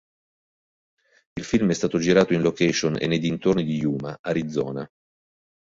Il film è stato girato in location e nei dintorni di Yuma, Arizona.